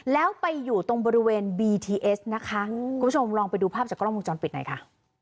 แล้วไปอยู่ตรงบริเวณบีทีเอสนะคะคุณผู้ชมลองไปดูภาพจากกล้องวงจรปิดหน่อยค่ะ